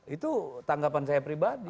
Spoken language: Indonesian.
itu tanggapan saya pribadi